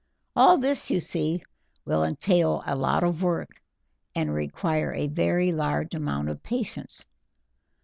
All this, you see, will entail a lot of work, and require a very large amount of patience.